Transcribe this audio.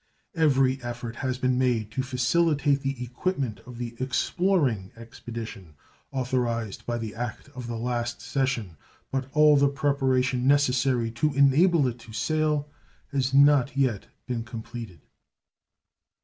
Every effort has been made to facilitate the equipment of the exploring expedition authorized by the act of the last session, but all the preparation necessary to enable it to sail has not yet been completed.